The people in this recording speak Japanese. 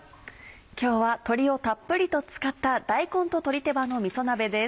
今日は鶏をたっぷりと使った「大根と鶏手羽のみそ鍋」です。